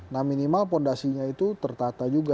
nah minimal fondasinya itu tertata juga